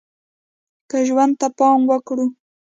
که ژوند ته پام وکړو